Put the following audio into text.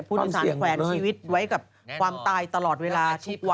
ผู้โดยสารแขวนชีวิตไว้กับความตายตลอดเวลา